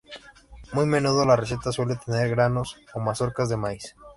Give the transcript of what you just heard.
Muy menudo la receta suele tener granos o mazorcas de maiz.